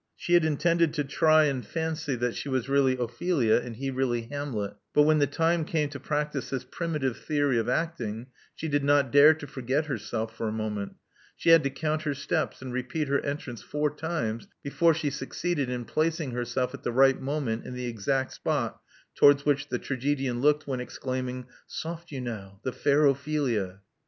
She had intended to try and fancy that 152 Love Among the Artists she was really Ophelia, and he really Hamlet; but when the time came to practice this primitive theory of acting, she did not dare to forget herself for a moment. She had to count her steps, and repeat her entrance four times before she succeeded in placing herself at the right moment in the exact spot towards which the tragedian looked when exclaiming Soft you now! The fair Ophelia."